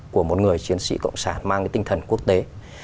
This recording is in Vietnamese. của một người chiến sĩ cộng sản mang cái tinh thần quốc tế